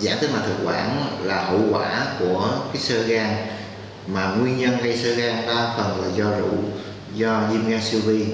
giãn tính mạch thực quản là hậu quả của sơ gan mà nguyên nhân hay sơ gan ta phần là do rượu do diêm gan siêu vi